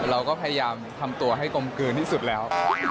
เราก็พยายามทำตัวให้กลมกลืนที่สุดแล้ว